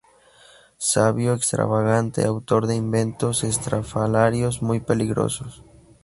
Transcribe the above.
Sabio extravagante, autor de inventos estrafalarios muy peligrosos.